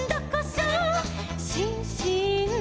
「しんしん」「」